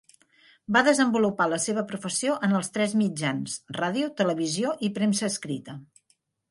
Va desenvolupar la seva professió en els tres mitjans: ràdio, televisió i premsa escrita.